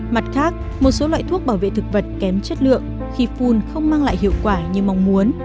mặt khác một số loại thuốc bảo vệ thực vật kém chất lượng khi phun không mang lại hiệu quả như mong muốn